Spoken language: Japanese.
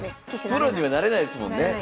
プロにはなれないですもんね。